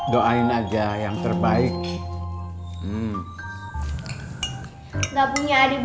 tentang sama keluarganya